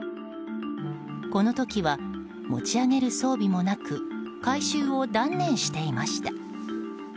この時は、持ち上げる装備もなく回収を断念していました。